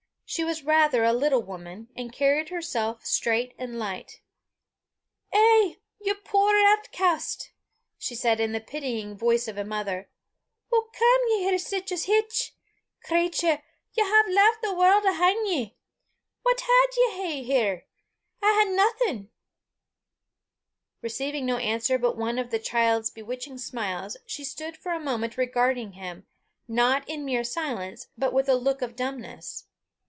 She was rather a little woman, and carried herself straight and light. "Eh, ye puir ootcast!" she said, in the pitying voice of a mother, "hoo cam ye here sic a heicht? Cratur, ye hae left the warl' ahin' ye. What wad ye hae here? I hae naething." Receiving no answer but one of the child's betwitching smiles, she stood for a moment regarding him, not in mere silence, but with a look of dumbness.